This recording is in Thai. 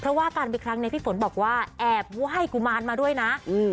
เพราะว่าการไปครั้งนี้พี่ฝนบอกว่าแอบให้กุมารมาด้วยนะอืม